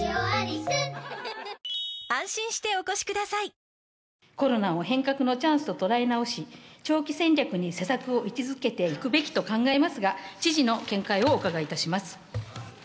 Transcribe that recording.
このあと、コロナを変革のチャンスと捉え直し、長期戦略に施策を位置づけていくべきと考えますが、知事の見解をお伺いいたします。